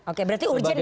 oke berarti urgent ya